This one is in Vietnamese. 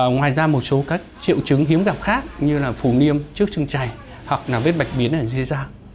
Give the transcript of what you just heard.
ngoài ra một số triệu chứng hiếm gặp khác như phù niêm trước chân chày hoặc vết bạch biến ở dưới da